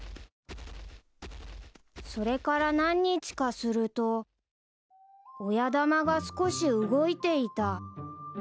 ［それから何日かすると親玉が少し動いていた］